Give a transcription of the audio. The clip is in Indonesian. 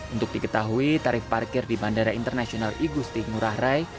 untuk diketahui tarif parkir di bandara internasional igusti ngurah rai